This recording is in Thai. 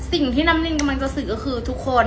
สิ่งที่น้ำรินกำลังจะสื่อก็คือทุกคน